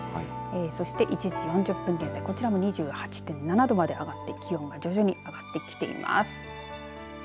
そして１時４０分現在こちらも２８．７度まで上がって気温が徐々に上がってきています。